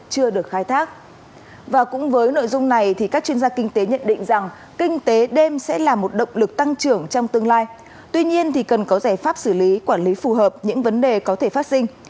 các chuyên gia kinh tế nhận định rằng kinh tế đêm sẽ là một động lực tăng trưởng trong tương lai tuy nhiên cần có giải pháp xử lý quản lý phù hợp những vấn đề có thể phát sinh